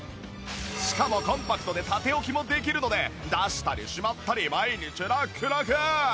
しかもコンパクトで縦置きもできるので出したりしまったり毎日ラックラク